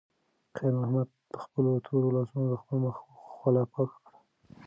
خیر محمد په خپلو تورو لاسونو د خپل مخ خوله پاکه کړه.